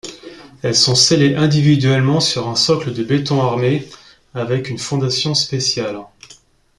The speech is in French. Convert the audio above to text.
Elles sont scellées individuellement sur un socle de béton armé avec une fondation spéciale.